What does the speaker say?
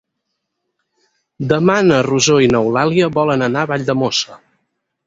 Demà na Rosó i n'Eulàlia volen anar a Valldemossa.